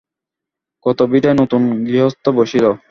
কত ভিটায় নতুন গৃহস্থ বসিল।